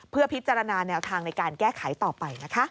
เพื่อพิจารณาแนวทางในการแก้ไขต่อไปนะคะ